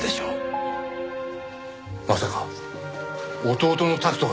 まさか弟の拓人が？